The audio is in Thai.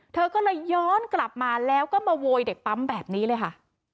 เธอก็เลยย้อนกลับมาแล้วก็มาโวยเด็กปั๊มแบบนี้เลยค่ะ